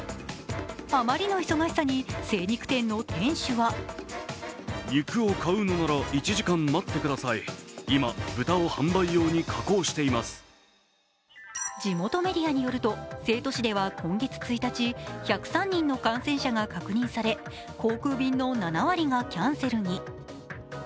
あまりの忙しさに精肉店の店主は地元メディアによると成都市では今月１日１０３人の感染者が確認され航空便の７割がキャンセルに。